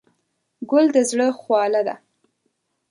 ګل د زړه خواله ده.